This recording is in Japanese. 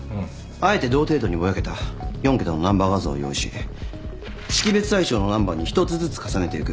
あえて同程度にぼやけた４桁のナンバー画像を用意し識別対象のナンバーに一つずつ重ねていく。